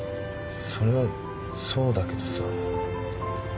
それはそうだけどさ。